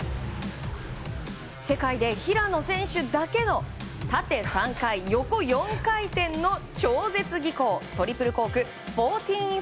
世界で平野選手だけの縦３回、横４回転の超絶技巧トリプルコーク１４４０。